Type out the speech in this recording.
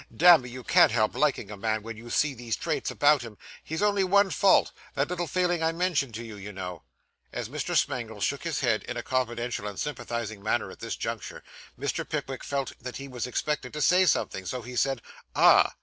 Damme, you can't help liking a man, when you see these traits about him. He's only one fault that little failing I mentioned to you, you know.' As Mr. Smangle shook his head in a confidential and sympathising manner at this juncture, Mr. Pickwick felt that he was expected to say something, so he said, 'Ah!